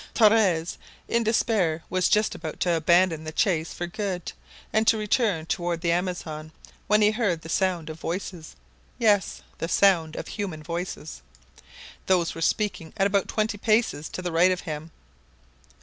Torres, in despair, was just about to abandon the chase for good, and to return toward the Amazon, when he heard the sound of voices. Yes! the sound of human voices. Those were speaking at about twenty paces to the right of him.